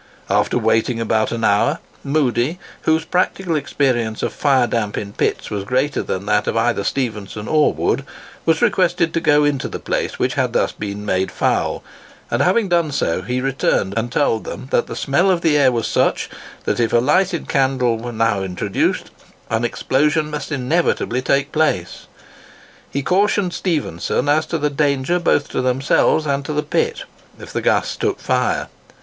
After waiting about an hour, Moodie, whose practical experience of fire damp in pits was greater than that of either Stephenson or Wood, was requested to go into the place which had thus been made foul; and, having done so, he returned, and told them that the smell of the air was such, that if a lighted candle were now introduced, an explosion must inevitably take place. He cautioned Stephenson as to the danger both to themselves and to the pit, if the gas took fire.